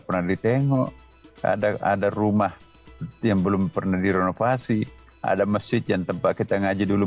pernah ditengok ada ada rumah yang belum pernah direnovasi ada masjid yang tempat kita ngaji dulu